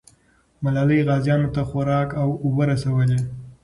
ملالۍ غازیانو ته خوراک او اوبه رسولې.